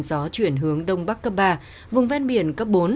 gió chuyển hướng đông bắc cấp ba vùng ven biển cấp bốn